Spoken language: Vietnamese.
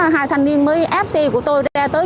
hai thanh niên mới ép xe của tôi ra tới